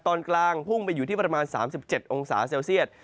ตอนกลางพุ่งไปอยู่ที่ประมาณ๓๗องศาเซลเซียต